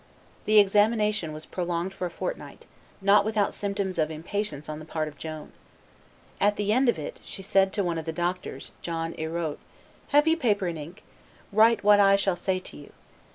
The examination was prolonged for a fortnight, not without symptoms of impatience on the part of Joan. At the end of it, she said to one of the doctors, John Erault, "Have you paper and ink? Write what I shall say to you."